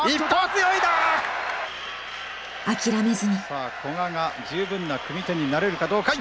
さあ古賀が十分な組み手になれるかどうか。